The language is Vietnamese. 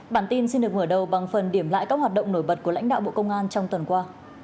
bản tin xin được mở đầu bằng phần điểm lại các hoạt động nổi bật của lãnh đạo bộ công an trong tuần qua